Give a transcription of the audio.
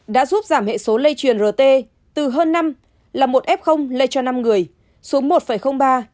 đã giúp giảm hệ số lây truyền rt từ hơn năm là một f lây cho năm người xuống một ba